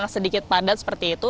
sedikit padat seperti itu